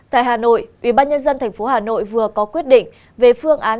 tại hà nội ubnd tp hà nội vừa có quyết định về phương án